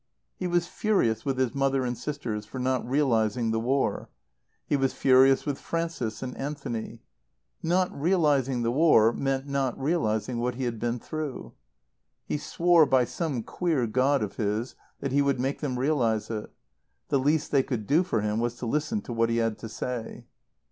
He was furious with his mother and sisters for not realizing the war. He was furious with Frances and Anthony. Not realizing the war meant not realizing what he had been through. He swore by some queer God of his that he would make them realize it. The least they could do for him was to listen to what he had to say.